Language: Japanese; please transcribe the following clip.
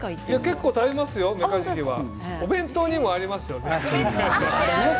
結構食べますメカジキお弁当にもありますよね。